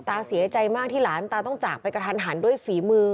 ตาเสียใจมากที่หลานตาต้องจากไปกระทันหันด้วยฝีมือ